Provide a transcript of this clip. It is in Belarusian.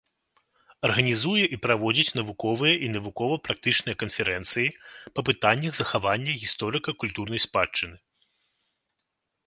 Арганізуе і праводзіць навуковыя і навукова-практычныя канферэнцыі па пытаннях захавання гісторыка-культурнай спадчыны.